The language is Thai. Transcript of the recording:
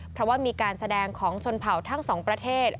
เพราะว่ามีการแสดงของชนเผ่าทั้งสองประเทศ